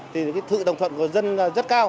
thì thự đồng thuận của dân rất cao